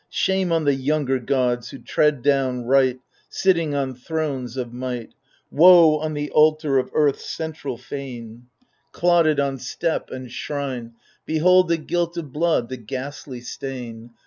Shame on the younger gods who tread down right, Sitting on thrones of might I Woe on the altar of earth's central fane ! 144 THE FURIES Clotted on step and shrine, Behold, the guilt of blood, the ghastly stain